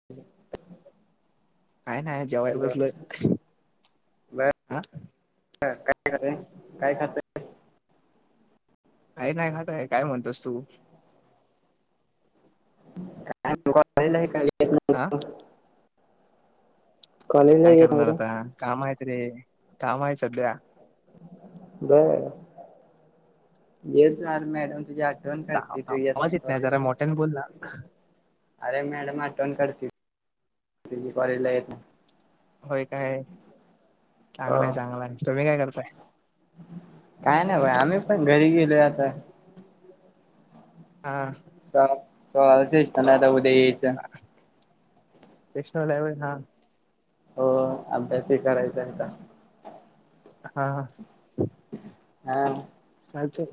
ह काय नाही जेवयर बसल हा ह काय खात काय खातं. का नाही खात आहे काय म्हणतोस तू का का आा कॉलेजला काय येत नाही करणार रे आता कामा आहेच रे कामा आहे सध्या. बर येचर मॅडम तुझ्या आ आवाज येत नाही जरा मोठ्याने बोलला अरे मॅडम आठवण करते तझी कॉलेज ला येत ना. होय काय चांगलंय हो चांगलंय तुम्ही काय करताय. काय नाही भा आम्ही पण घरी गेलो आता हां स सो आस इ नाता उदय येस नेशनल लेव्हल हा हो अभ्यासही करायचा आहेत. हा हा हा कायचे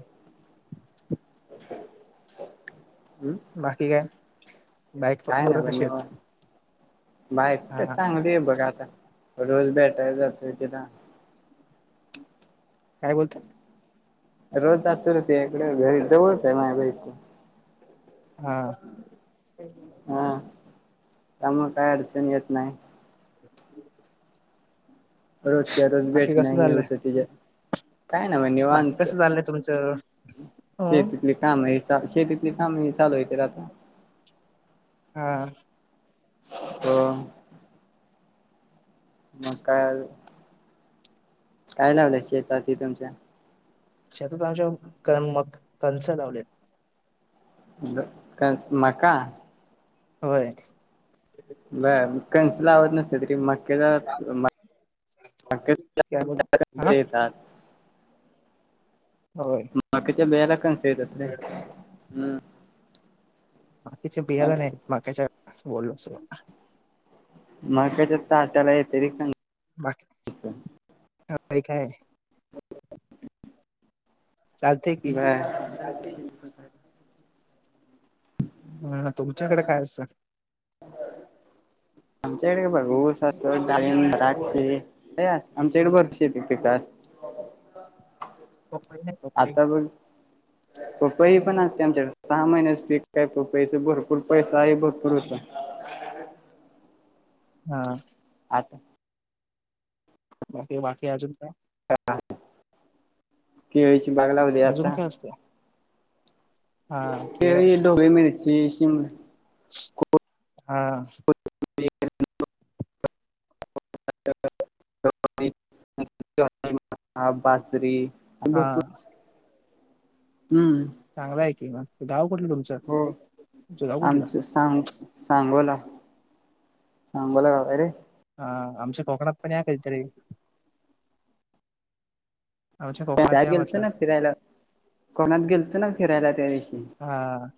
हम् बाकी काय बाईका पोर नाही पण कशीयत. निवांत बायको चांगलीय बघ आता रोज भेटाय जातोय तिला काय बोलत्यात रोज जातुयर तिज्याकड घरी जवळच हाय माझ्या बाय हा हा त्यामुळे काय अडचण येत नाही. [unintelligible] रोज त्या रोज भेट बाकी कसं नाही हे चाललंय होतं तिच्या. काय ना म बाकी निवांत कसं चाललंय तुमचं हं शेतीतली काम हे शेतीतले काम हे चालू आहेते आता हा ह मग काय अजून काय लावल्या शेतती तुमच्या शतत आमच्या म कंच लावलेत मका होय बर म कंस ला आवत नसते तरी मग काय बोल ज हा येतात हो मकाच्या बियाला कानस येत्यात रे हम् माक्याच्या बियाला माक्याच्या बोललोसल मकाच्या ताट्याला येत्याती कण बाकी काय चालतय की बर जायच काय शेतीत हा तुमच्याकड काय असतं आमकडे बघ ऊस डाळिंब द्राक्षी हे अस आमकडे बरीच शेती पिक अस. प आता बण पपई पण असते आमच्याकडे सहा महिन्याच पीक काय पपईचप भरपूर पैसाय भरपूर उत्पन्न हा आता बाकी बाकी अजून काय केळीची बाग लावली अजून आता काय असतं हा केळ केळी डोबळी मिरची शिमल हा बाजरी हा भरपूर हम्म चांगलाय की मग गाव कुठलं हो तुमचं गाव कुठलं आमचस सांग सांगोला सांगोला गावाय रे ह आमच्या कोकणात पण या कधीतरी आमच्या कोकणात त्यात या गेलतो म्हटलं ना फिरायला कोणात गेलतो ना फिरायला त्या दिवशी हा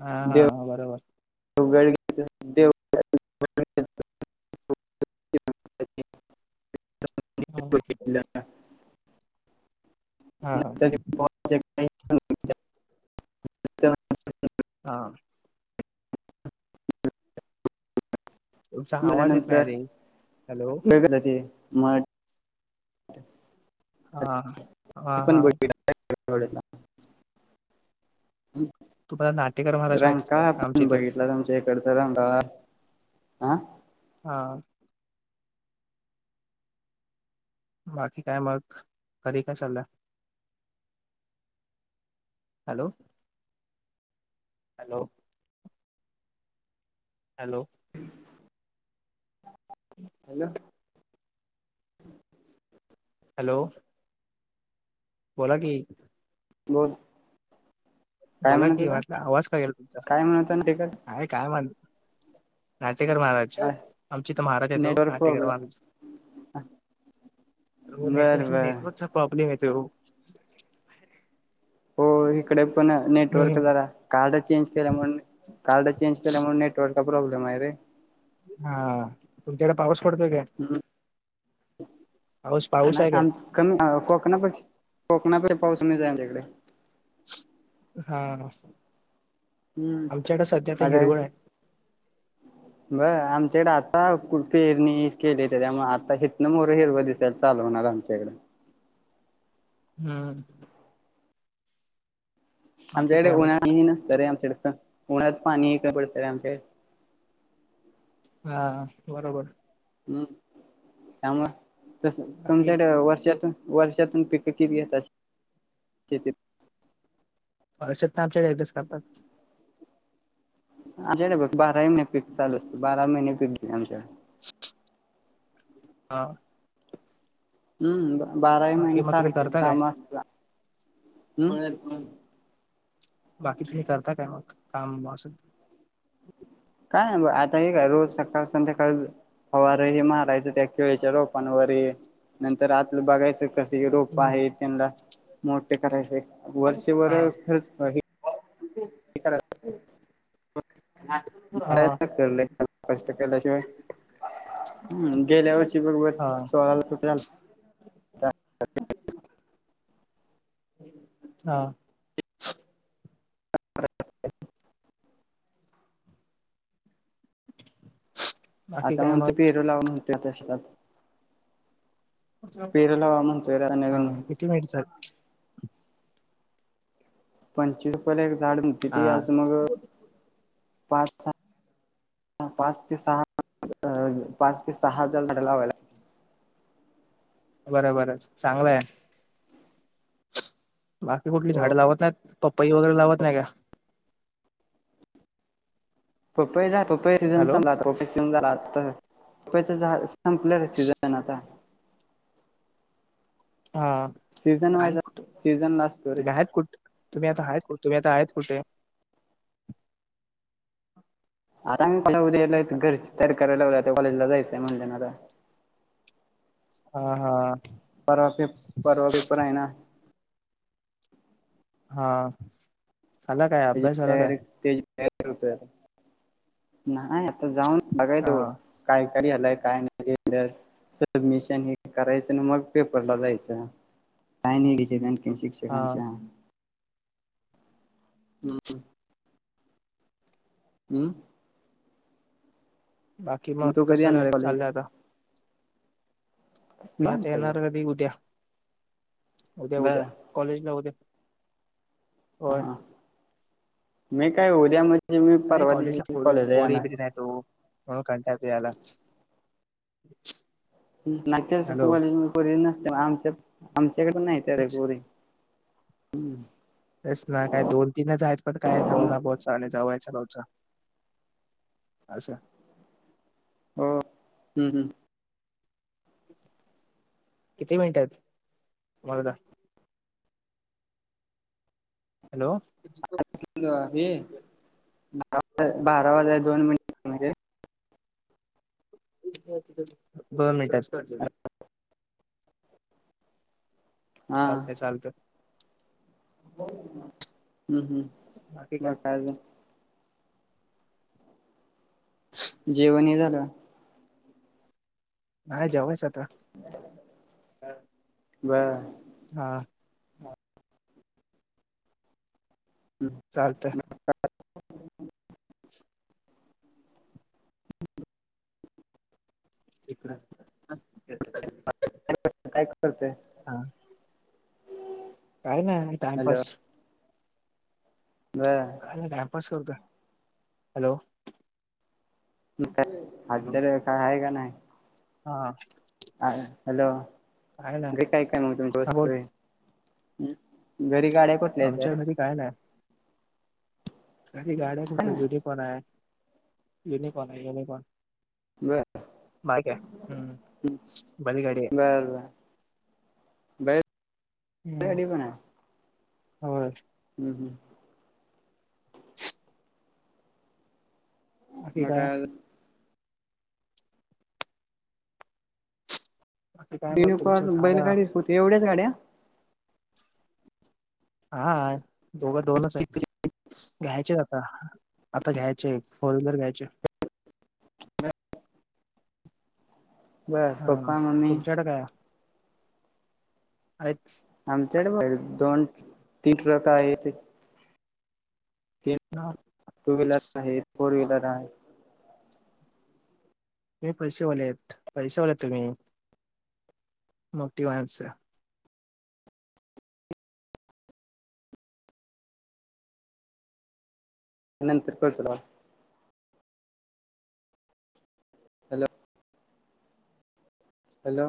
हा हा बरोबर तुगळ हा हा न हा तुमचा आवाज येत मल्यानंतर नाही रे हॅलो काय झाल ते म हा हा मी पण हा बघितला तुम्हाला नाटेकर महाराज रंग माहितीच काय काळा आमच्या आपण इथे बघितला त शेकडच रंग अ हा बाकी काय मग घरी काय चाललं hello hello hello hello hello बोला की बोल काय बोला म्हणत कि होता म्हटलं आवाज का गेला तुमचा काय म्हणत होता तिकड आहे काय म्हण नाटेगर महाराज आमची इथ महाराज येतो नेटवर्क नाटेगर प्रॉब्लेम महाराज अवो बर नेटवर्क बर नेटवर्कचा प्रॉब्लेम येतोय ओ. होय इकडं पण नेटवर्क हम्म जरा कार्ड चेंज केल्यामुळं ने कार्ड चेंज केल्यामुळं नेटवर्कचा प्रॉब्लेमाय रे. हा तुमच्याकडं पाऊस पडतोय काय? पाऊस पाऊस आहे नाही काय आम कमी कोकणाच कोकणात पाऊस कमीचाय आमच्याकडं. हा असो हम्म आमच्याकडं सध्या आता हिरवळ हाय. बर आमच्याकड आता कु पेरणी केली तेज्यामुळं आता हितन म्होरं हिरवं दिस तय चालू होणार आमच्याकडं. हम्म. बाकी आमच्याकडं काय मग उन्हाळा नसत रे आमच्याकडं पण उन्हाळ्यात पाणी का पडतय आमच्याकड. हा बरोबर. हम्म त्यामुळं तस बाकी तुमच्याकडं वर्षातुन वर्षातून पिकं किती घेतास शेतीत? वर्षातनं आमच्याकड एकदाच करतात. आमच्याकड बघ बारा मने पिक चालू असतं बारा महिने पिक आमच्याकड. हा. हम्म बाराही बाकी महिने मग तुम्ही सारखं करता काय काम असत्या हम्म. हम्म बाकी तुम्ही करता काय मग काम असं? काय आता हे करू सकाळ संध्याकाळ फवार हे मारायचं. त्या केळीच्या रोपांवर ये नंतर आतलं बघायचं कस रोप हम्म आहे त्यांना मोठे करायचे वर्ष वर हा. खर्च हे [unintelligible] [unintelligible] हा हा कष्ट केल्याशिवाय हम्म गेल्या वर्षी बरोबर सोळाला कुठ झाला. हा. [inaudible] आता म्हणतो मग? पेरू लाव म्हणतोय आता शेतात. पुढच्या वेळेला कर पेरू ग, लावा म्हणतोय आता नवीन हा किती वेटच? पंचवीस पर्यंत जाड मोती हा ती आज मग पाच सहा पाच ते सहा अ पाच ते सहा जल अढलावाला. बर बरं चांगलंय. बाकी कुठली लागतात. झाडं लावत नाहीत पपई वगैरे लावत नाही का? पपईला पपई सीझन हॅलो संपला आता पपई सीझन झाला आता पपईच झाडस संपलं रं सिझन आता. हा सीझन हाय वाईज कूट सीझन ला असतो रे तुम्ही आहेत कुट? तुम्ही आता आहेत कुठं, तुम्ही आता आहेत कुठे? आता मी पहिला उद्या इथल्या इथं घरची तयारी कराय लावल्या आता कॉजला जायचंय म्हणल्या ना आता. हा हा. पर्वा पेप पर्वा पेपर हाय ना. हा अला काय अभ्यास झाला काय? रुप आत नाही आता जाऊन हा बघायचं. काय काय घेलंय, काय नाही घेल. सबमिशन हे करायचं अन मग पेपरला जायचं काय नाही घ्यायची गांड. हा शिक्षकांच्या हम्म. मं. बाकी मग तू कधी कसं येणार काय आहे कॉलेजला? चाललंय आता? मी आता निवांत बघ. येणार कधी उद्या, उद्या बर उद्या कॉलेजला उद्या. होय हा मी काय उद्या म्हणजे मी परवादीशीचं कॉलेजला येणार. तो म्हणून कंटाळ येतो याला. [unintelligible] आमच्या आमच्याकडे नाहीत. तेडे तेच कोरी हम्म. तेच ना, काय दोन तीनच आहेत पण काय बोल त्यामुळं [unintelligible] अच्छा. हो, हम् हम्. किती मिनिटं हायत बारा. हॅलो. हम्म हे बारा वाजाय दोन मिनिट दोन मिनिटं असुदे. हा चालतंय चालतंय. हम्म.. हम्म.. मग काय अजून, [inaudible] जेवण हे झालं का? हा, जेव्हायचं आता. [unintelligible] आं.. हं. चालतंय. [unintelligible] [unintelligible] काय करते. हा काय नाही टाइमपास. बरं. टाइम पास करतोय. हॅलो, मग काय, आज हॅलो तर काय हाय कणी. हा. हॅलो, गे काय काय मग तुमच्या हा वस्तू बोल आहे. घरी गाड्या को आमच्या घरी काय नाही. घरी गाड्या हा कुठल्या ना युनिकोन आहे, युनिकॉन आहे युनिकॉन. बर माहित ये, हम्म बैलगाडी ये. [unintelligible] बै हं.. होय. हम् हम्. बाकी काय [unintelligible] बाकी काय मग तुमचं युनिकॉन सांगा बैलगाडी होती. एवढ्याच गाड्या, हा, दोघं दोनच आहेत. घ्यायचे आता, आता घ्यायचे एक फोर व्हीलर घ्यायचे. बर हा, पप्पा मम्मी तुमच्याकडे काय? हायत. आमच्याकडं बी दोन तीन ट्रक आहेत. तीन हां. टू व्हीलर आहे, फोर व्हीलर आहे. पैसेवालेत, पैसेवालेत तुम्ही मोठी माणसं. नंतर करतो थांब. हॅलो. हॅलो.